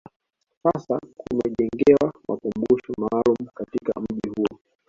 sasa kumejengewa makumbusho maalum katika mji huo